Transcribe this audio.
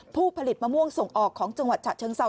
ผู้ผลิตมะม่วงส่งออกของจังหวัดฉะเชิงเซา